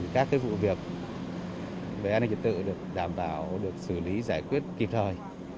các vụ việc về an ninh trật tự được đảm bảo được xử lý giải quyết kịp thời